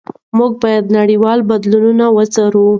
موږ باید نړیوال بدلونونه وڅارو.